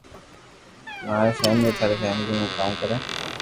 مارو فيملي ٿاري فيملو ڪاو ڪري ھي